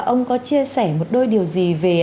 ông có chia sẻ một đôi điều gì về